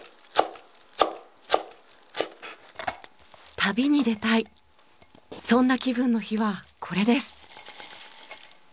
旅に出たいそんな気分の日はこれです！